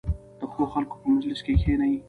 د ښو خلکو په مجلس کې کښېنئ.